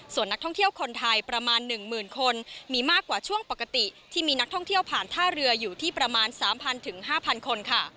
ส่วนนักท่องเที่ยวคนไทยประมาณหนึ่งหมื่นคนมีมากกว่าช่วงปกติที่มีนักท่องเที่ยวผ่านท่าเรืออยู่ที่ประมาณสามพันถึงห้าพันคนค่ะ